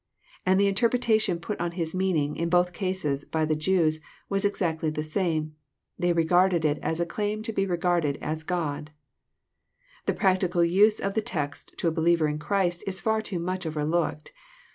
And the interpreta tion put on His meaning, in both cases, by the Jews, was ex actly the same. They regarded it as a claim to be regarded as " God." The practical use of the text to a believer in Christ is far too much overlooked.